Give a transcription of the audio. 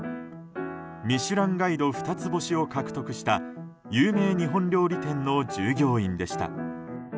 「ミシュランガイド」二つ星を獲得した有名日本料理店の従業員でした。